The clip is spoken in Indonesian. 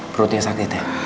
perutnya sakit ya